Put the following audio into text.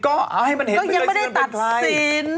ก็ให้มันเห็นเป็นใครก็ยังไม่ได้ตัดสิน